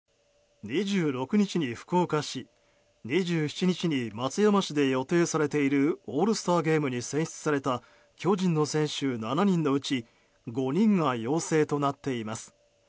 ２６日に福岡市２７日に松山市で予定されているオールスターゲームに選出された巨人の選手７人のうち５人が陽性となっています。